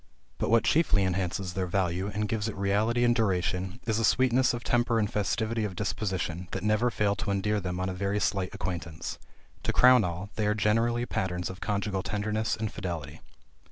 But what chiefly enhances their value, and gives it reality and duration, is a sweetness of temper and festivity of disposition, that never fail to endear them on a very slight acquaintance. To crown all, they are generally patterns of conjugal tenderness and fidelity.